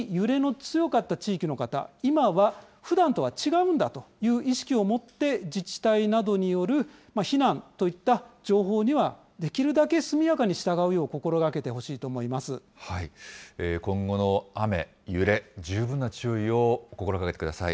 特に揺れの強かった地域の方、今はふだんとは違うんだという意識を持って、自治体などによる避難といった情報にはできるだけ速やかに従うよう心がけてほしいと思今後の雨、揺れ、十分な注意を心がけてください。